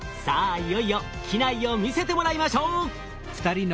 いよいよ機内を見せてもらいましょう。